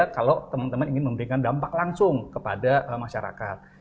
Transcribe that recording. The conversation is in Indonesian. kalau teman teman ingin memberikan dampak langsung kepada masyarakat